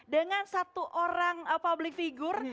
dengan satu orang public figure